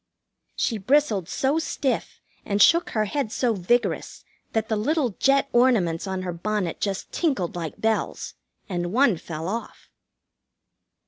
She bristled so stiff and shook her head so vigorous that the little jet ornaments on her bonnet just tinkled like bells, and one fell off.